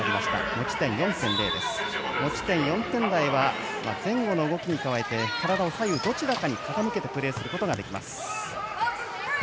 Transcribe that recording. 持ち点４点台は前後の動きに加えて体を左右どちらかに傾けてプレーすることができます。